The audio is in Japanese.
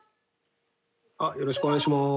よろしくお願いします。